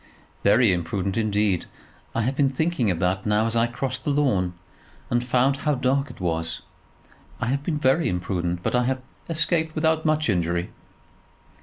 "Very imprudent, indeed. I have been thinking of that now as I crossed the lawn, and found how dark it was. I have been very imprudent; but I have escaped without much injury."